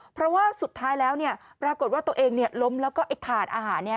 เพราะว่าสุดท้ายแล้วปรากฏว่าตัวเองล้มแล้วก็ไอ้ถาดอาหาร